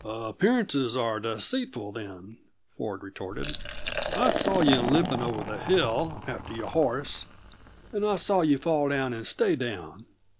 "Appearances are deceitful, then," Ford retorted. "I saw you limping over the hill, after your horse, and I saw you fall down and stay down.